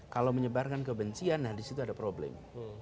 kalau menyebarkan kebencian nah di situ ada problem